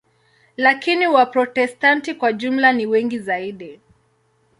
Lakini Waprotestanti kwa jumla ni wengi zaidi.